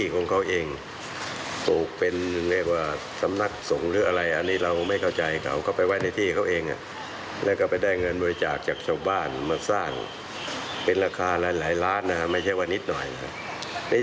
ก็สร้างโน้นสร้างหนี้เขาก็มาอ้างว่าจะเอาลวงพ่อเนี่ย